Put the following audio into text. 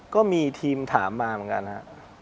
ก็มีทีมถามมาเหมือนกันฮะ